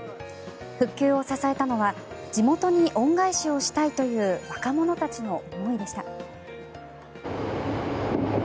復旧を支えたのは地元に恩返しをしたいという若者たちの思いでした。